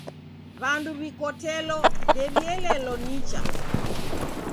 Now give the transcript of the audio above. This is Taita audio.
W'andu w'ikotelo ndew'ielelo nicha.